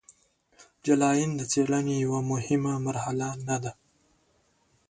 جلاین د څیړنې یوه مهمه مرحله نه ده.